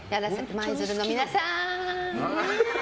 舞鶴の皆さん！